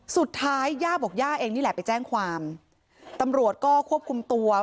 ย่าบอกย่าเองนี่แหละไปแจ้งความตำรวจก็ควบคุมตัว